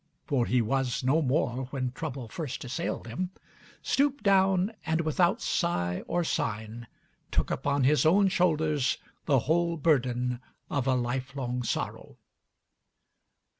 (for he was no more, when trouble first assailed him) stooped down, and without sigh or sign took upon his own shoulders the whole burden of a lifelong sorrow.